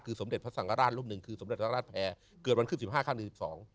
คือสมเด็จพระสังฆราชรุมหนึ่งคือสมเด็จพระสังฆราชแพร่เกิดวัน๑๕คศ๑๒